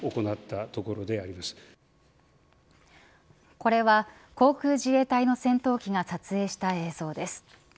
これは航空自衛隊の戦闘機が撮影した映像です。